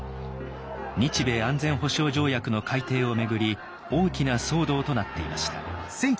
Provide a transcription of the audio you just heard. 日米安全保障条約の改定を巡り大きな騒動となっていました。